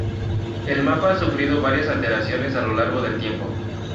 El mapa ha sufrido varias alteraciones a lo largo del tiempo.